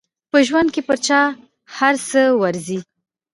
په ژوند کې پر چا هر څه ورځي.